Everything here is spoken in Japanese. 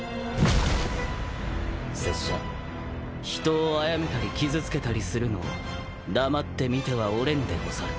拙者人をあやめたり傷つけたりするのは黙って見てはおれぬでござる。